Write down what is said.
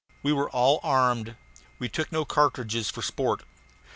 We were all armed. We took no cartridges for sport.